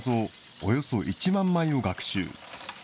およそ１万枚を学習。